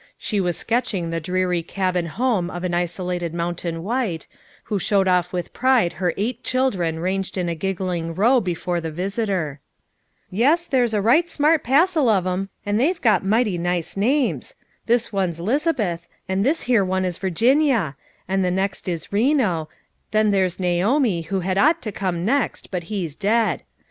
She was sketching the dreary cabin home of an isolated mountain white, who sliowed off with pride her eight children ranged in a giggling row before the visitor. 11 'Yes, there's a right smart passel of 'em, and they've got mighty nice names. This one's 'Lizabeth, and tin's here one is Virginia; and the next is Reno; then there's Naomi who had ought to come next, but he's dead.